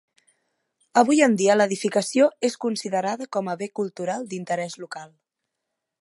Avui en dia l'edificació és considerada com a bé cultural d'interès local.